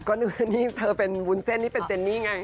ก็นึกว่านี่เธอเป็นวุ้นเส้นนี่เป็นเจนนี่ไง